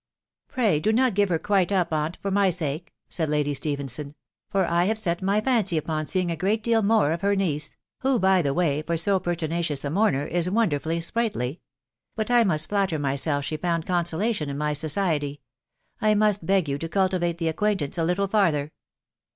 " Pray do not give her quite up, aunt, for my sake," said Lady Stephenson ;" for I have set my fancy upon seeing a great deal more of her niece .... who, by the way, for so pertinacious a mourner, is wonderfully sprightly ;.••• but I must flatter myself sue found consolation in my society. I must beg you to cultivate the acquaintance a little farther."